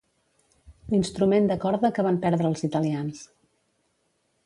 L'instrument de corda que van perdre els italians.